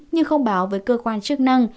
nhưng không báo với cơ quan chức năng